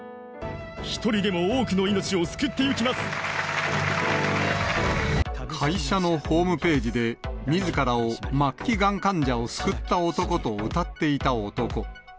一人でも多くの命を救ってゆ会社のホームページで、みずからを末期がん患者を救った男とうたっていた男。